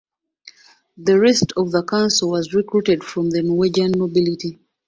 The rest of the council was recruited from the Norwegian nobility.